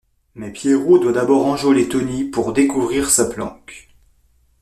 Mais Pierrot doit d’abord enjôler Tony pour découvrir sa planque.